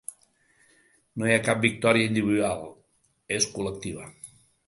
No hi ha cap victòria individual, és col·lectiva.